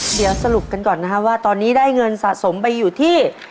เดี๋ยวสรุปกันก่อนนะครับว่าตอนนี้ได้เงินสะสมไปอยู่ที่